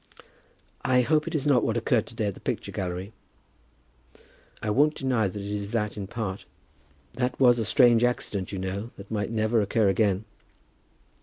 "I hope it is not what occurred to day at the picture gallery." "I won't deny that it is that in part." "That was a strange accident, you know, that might never occur again."